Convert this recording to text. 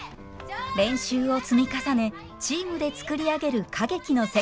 練習を積み重ねチームで作り上げる歌劇の世界。